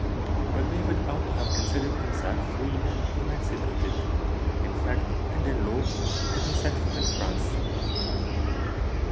"But David ought to have considered himself free and emancipated, in fact and in law, when he set foot in France."